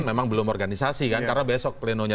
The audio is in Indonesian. memang belum organisasi kan karena besok plenonya